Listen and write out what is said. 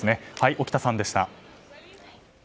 沖田さんでした。